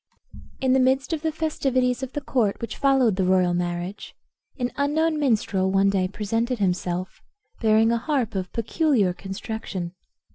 In the midst of the festivities of the court which followed the royal marriage, an unknown minstrel one day presented himself, bearing a harp of peculiar construction.